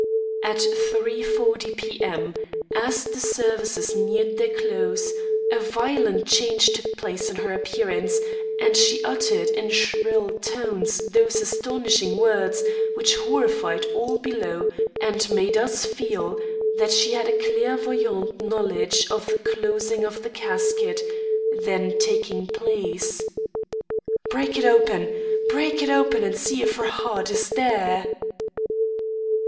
"At three forty P.M., as the services neared their close, a violent change took place in her appearance, and she uttered in shrill tones those astonishing words which horrified all below and made us feel that she had a clairvoyant knowledge of the closing of the casket, then taking place: "'Break it open! Break it open! and see if her heart is there!